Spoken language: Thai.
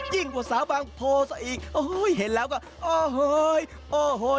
ยิ่งกว่าสาวบางโพซะอีกโอ้โหเห็นแล้วก็โอ้โหโอ้โห